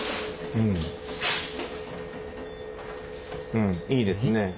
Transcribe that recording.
うんいいですね。